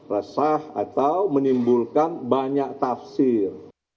resah atau menimbulkan banyak tafsir